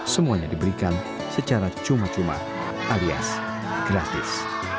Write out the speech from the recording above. semuanya diberikan secara cuma cuma alias gratis